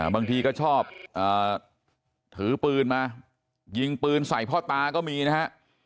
บางทีก็ชอบถือปืนมายิงปืนใส่พ่อตาก็มีนะฮะ